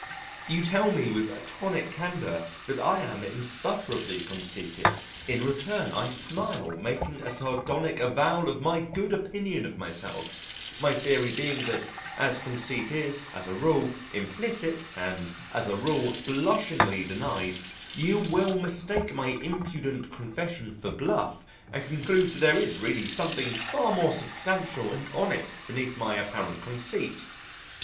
You tell me with tonic candour that I am insufferably conceited. In return, I smile, making a sardonic avowal of my good opinion of myself, my theory being that as conceit is, as a rule, implicit and, as a rule, blushingly denied, you will mistake my impudent confession for bluff and conclude there is really something far more substantial and honest beneath my apparent conceit.